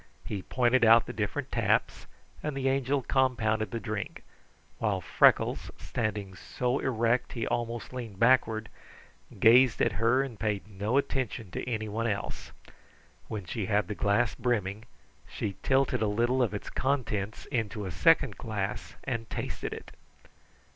He pointed out the different taps, and the Angel compounded the drink, while Freckles, standing so erect he almost leaned backward, gazed at her and paid no attention to anyone else. When she had the glass brimming, she tilted a little of its contents into a second glass and tasted it.